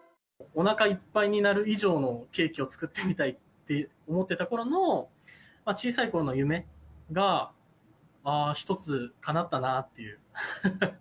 おなかいっぱいになる以上のケーキを作ってみたいって思ってたころの、小さいころの夢が１つかなったなと。